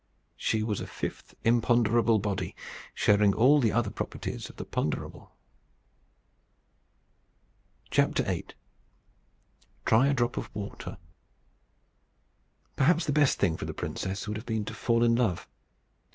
She was a fifth imponderable body, sharing all the other properties of the ponderable. VIII. TRY A DROP OF WATER. Perhaps the best thing for the princess would have been to fall in love.